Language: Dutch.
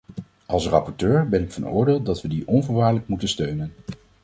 Als rapporteur ben ik van oordeel dat we die onvoorwaardelijk moeten steunen.